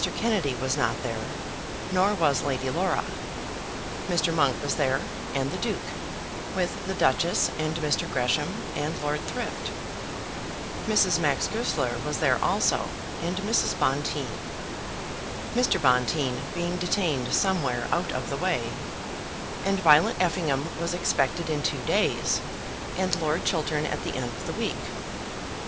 Kennedy was not there, nor was Lady Laura. Mr. Monk was there, and the Duke, with the Duchess, and Mr. Gresham, and Lord Thrift; Mrs. Max Goesler was there also, and Mrs. Bonteen, Mr. Bonteen being detained somewhere out of the way; and Violet Effingham was expected in two days, and Lord Chiltern at the end of the week.